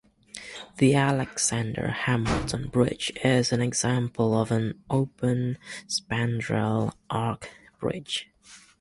The Alexander Hamilton Bridge is an example of an open-spandrel arch bridge.